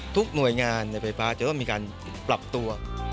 หน่วยงานในไฟฟ้าจะต้องมีการปรับตัว